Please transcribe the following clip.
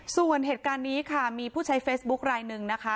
ส่วนเหตุการณ์นี้ค่ะมีผู้ใช้เฟซบุ๊คลายหนึ่งนะคะ